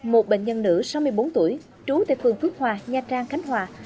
một bệnh nhân nữ sáu mươi bốn tuổi trú tại phường phước hòa nha trang khánh hòa